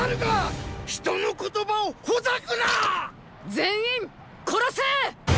全員殺せ！！